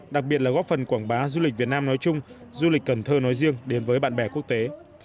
đặc biệt là góp phần quảng bá du lịch việt nam nói chung du lịch cần thơ nói riêng đến với bạn bè quốc tế